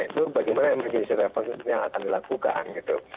itu bagaimana emergency referensi yang akan dilakukan gitu